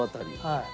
はい。